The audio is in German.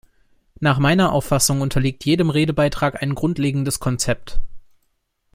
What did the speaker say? Nach meiner Auffassung unterliegt jedem Redebeitrag ein grundlegendes Konzept.